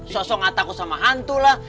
sosok gak takut sama hantu lah